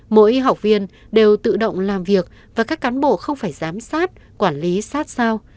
mỗi học viên đều tự động làm việc và các cán bộ không phải giám sát quản lý sát sao